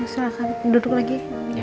silahkan duduk lagi